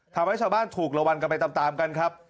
ทำให้ชาวบ้านถูกระวังกันไปตามกันครับ